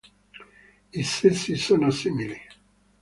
I sessi sono simili.